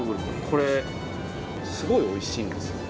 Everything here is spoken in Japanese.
これすごいおいしいんですよ。